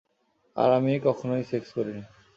আর আমি কখনই সেক্স করিনি!